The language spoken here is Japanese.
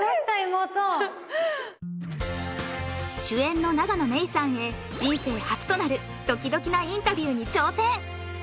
妹主演の永野芽郁さんへ人生初となるドキドキなインタビューに挑戦